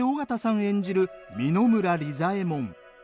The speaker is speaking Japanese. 演じる三野村利左衛門。